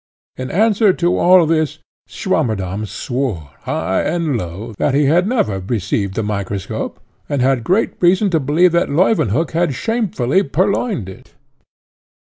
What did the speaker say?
In answer to all this, Swammerdamm swore, high and low, that he had never received the microscope, and had great reason to believe that Leuwenhock had shamefully purloined it.